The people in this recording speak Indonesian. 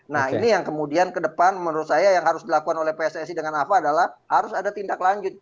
nah ini yang kemudian ke depan menurut saya yang harus dilakukan oleh pssi dengan ava adalah harus ada tindak lanjut